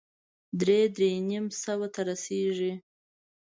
درې- درې نيم سوه ته رسېږي.